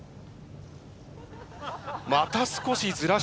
また少しずらした。